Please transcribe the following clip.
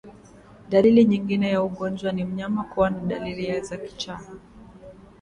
Dalili nyingine za ugonjwa ni mnyama kuwa na dalili za kichaa